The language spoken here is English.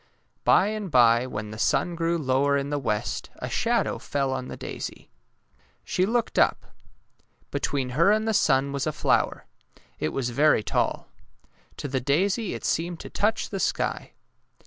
By and bye when the sun grew lower in the west, a shadow fell on the daisy. She looked up. Between her and the sun was a flower. It was very taU. To the daisy it seemed to touch the sky.